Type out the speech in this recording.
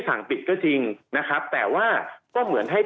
ทางประกันสังคมก็จะสามารถเข้าไปช่วยจ่ายเงินสมทบให้๖๒